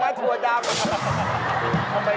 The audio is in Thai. ถั่วดำ